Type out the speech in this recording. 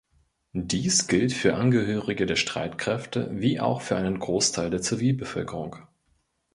Dies gilt für Angehörige der Streitkräfte wie auch für einen Großteil der Zivilbevölkerung.